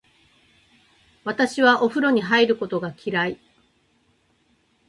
私はお風呂に入ることが嫌い。